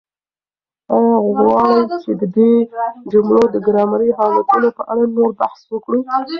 آیا غواړئ چې د دې جملو د ګرامري حالتونو په اړه نور بحث وکړو؟